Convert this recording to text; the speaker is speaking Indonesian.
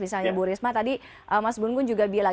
misalnya bu risma tadi mas bungun juga bilang